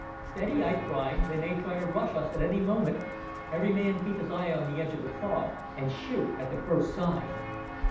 "Steady," I cried; "they may try to rush us at any moment. Every man keep his eye on the edge of the fog, and shoot at the first sign."